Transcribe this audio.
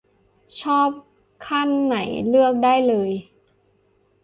ชอบขั้นไหนเลือกได้เลย